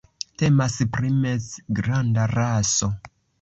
Temas pri mezgranda raso.